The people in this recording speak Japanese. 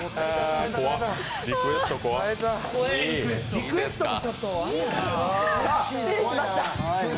リクエスト怖っ。